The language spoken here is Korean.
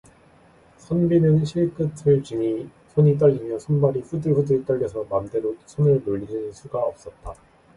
선비는 실끝을 쥐니 손이 떨리며 손발이 후들후들 떨려서 맘대로 손을 놀리는 수가 없었다.